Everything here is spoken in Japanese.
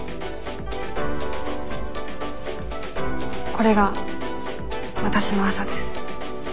これがわたしの朝です。